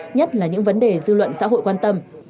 nhất là những vấn đề dư luận xã hội quan tâm